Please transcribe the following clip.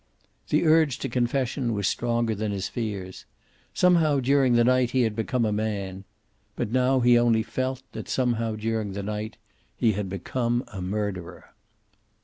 The urge to confession was stronger than his fears. Somehow, during the night, he had become a man. But now he only felt, that somehow, during the night, he had become a murderer.